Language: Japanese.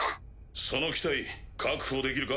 その機体確保できるか？